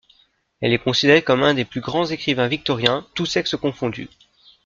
Elle est considérée comme un des plus grands écrivains victoriens, tous sexes confondus.